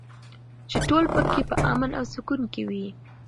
چې ټول پکې په امن او سکون کې وي.